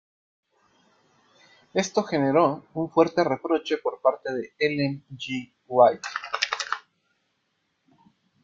Esto generó un fuerte reproche por parte de Ellen G. White.